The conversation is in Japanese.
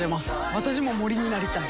私も森になりたい。